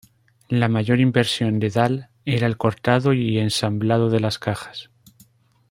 La mayor inversión de Dahl era el cortado y ensamblado de las cajas.